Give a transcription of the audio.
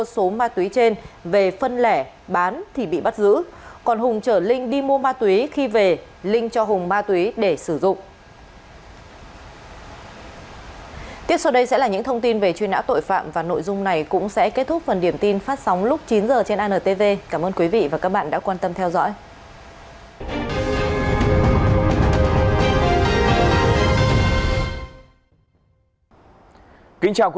sau đây sẽ là những thông tin về truy nã tội phạm và nội dung này cũng sẽ kết thúc phần điểm tin phát sóng lúc chín h trên antv cảm ơn quý vị và các bạn đã quan tâm theo dõi